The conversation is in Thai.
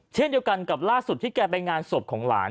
เช่นเดียวกันกับล่าสุดที่แกไปงานศพของหลาน